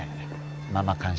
ママ感謝